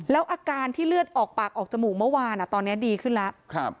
แล้วอาการที่เลือดออกปากออกจมูกเมื่อวานตอนนี้ดีขึ้นแล้ว